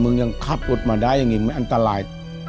มึงยังขับรถมาได้อย่างโยงมีไม่อันตราย